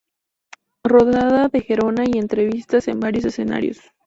Rodada en Gerona y entrevistas en varios escenarios.